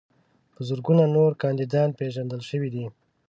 په زرګونو نور کاندیدان پیژندل شوي دي.